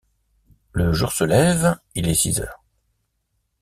Le jour se lève, il est six heures.